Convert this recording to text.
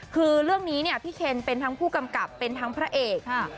คือเรื่องนี้เนี่ยพี่เคนเป็นทั้งผู้กำกับเป็นทั้งพระเอกค่ะ